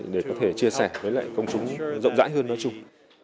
để có thể chia sẻ với lại công chúng rộng rãi hơn nói chung